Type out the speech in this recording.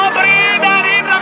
sobri dari ramin nusul